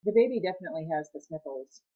The baby definitely has the sniffles.